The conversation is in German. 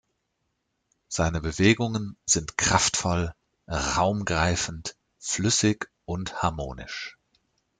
Seine Bewegungen sind kraftvoll, raumgreifend, flüssig und harmonisch.